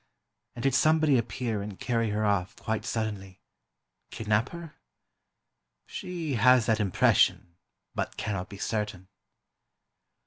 And did somebody appear and carry her off, quite suddenly—kidnap her? She has that impression, but cannot be certain.